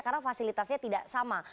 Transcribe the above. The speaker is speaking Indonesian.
karena fasilitasnya tidak sama